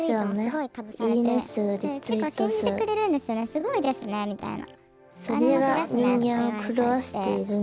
「すごいですね」みたいな。